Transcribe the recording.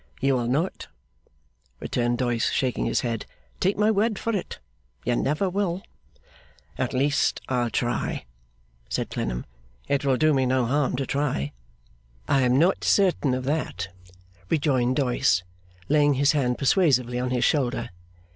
'You will not,' returned Doyce, shaking his head. 'Take my word for it, you never will.' 'At least, I'll try,' said Clennam. 'It will do me no harm to try.' 'I am not certain of that,' rejoined Doyce, laying his hand persuasively on his shoulder.